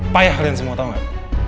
payah kalian semua tau gak